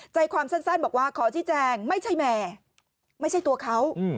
ใจความสั้นบอกว่าขอชี้แจงไม่ใช่แม่ไม่ใช่ตัวเขา